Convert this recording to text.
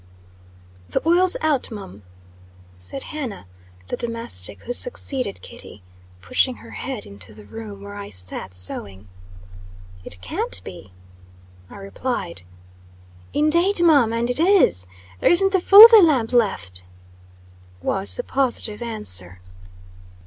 "THE oil's out, mum," said Hannah, the domestic who succeeded Kitty, pushing her head into the room where I sat sewing. "It can't be," I replied. "Indade, mum, and it is. There isn't the full of a lamp left," was the positive answer.